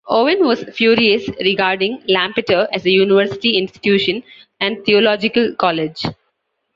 Owen was furious, regarding Lampeter as a university institution "and" theological college.